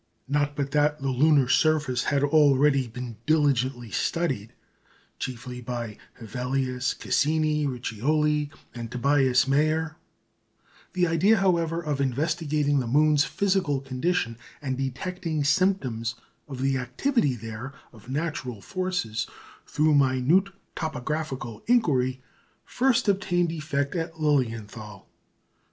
Not but that the lunar surface had already been diligently studied, chiefly by Hevelius, Cassini, Riccioli, and Tobias Mayer; the idea, however, of investigating the moon's physical condition, and detecting symptoms of the activity there of natural forces through minute topographical inquiry, first obtained effect at Lilienthal.